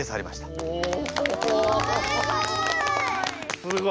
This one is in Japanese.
すごい！